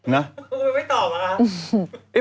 ง่ายไปตอบอะก่อน